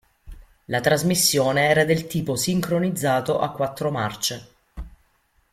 La trasmissione era del tipo sincronizzato a quattro marce.